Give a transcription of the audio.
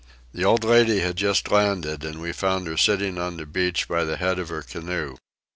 The old lady had just landed and we found her sitting on the beach by the head of her canoe.